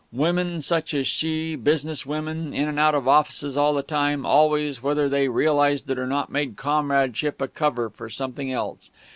Women such as she, business women, in and out of offices all the time, always, whether they realised it or not, made comradeship a cover for something else.